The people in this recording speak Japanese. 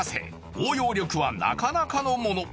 応用力はなかなかのもの